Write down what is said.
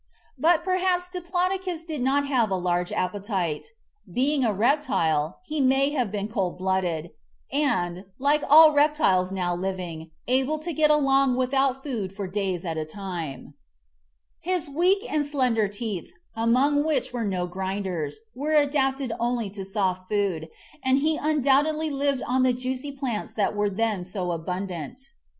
But perhaps Diplodocus did not have a large appetite. Being a reptile, he may have been cold blooded and, like all reptiles now living, able to get along without food for days at a time. His weak THE MIGHTY DINOSAURS 19 and slender teeth, among which were no grinders, were adapted only to soft food, and he undoubtedly lived on the juicy plants that were then so abundant.